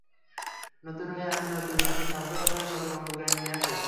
নতুন হয়ে আমি, নতুন আমি, স্বাস্থ্য রক্ষার নতুন অঙ্গীকার নিয়ে আসি।